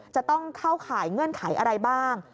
จะต้องเข้าข่ายเงื่อนไขอะไรบ้าง